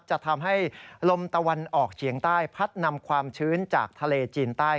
จะทำให้ลมตะวันออกเฉียงใต้พัดนำความชื้นจากทะเลจีนใต้